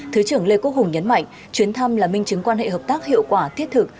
thứ trưởng lê quốc hùng nhấn mạnh chuyến thăm là minh chứng quan hệ hợp tác hiệu quả thiết thực